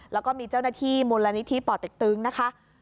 แล้วก็มีเจ้าหน้าที่มูลนิธิป่อเต็กตึงนะคะ